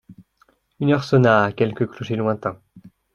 Une heure sonna à quelque clocher lointain.